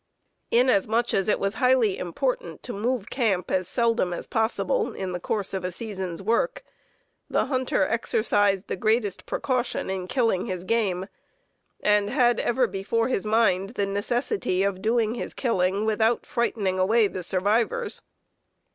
Inasmuch as it was highly important to move camp as seldom as possible in the course of a season's work, the hunter exercised the greatest precaution in killing his game, and had ever before his mind the necessity of doing his killing without frightening away the survivors.